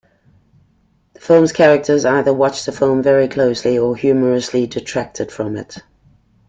The films characters either watch the film very closely or humorously distracted from it.